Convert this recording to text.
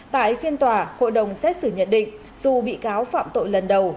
tại phiên tòa hội đồng xét xử nhận định dù bị cáo phạm tội lần đầu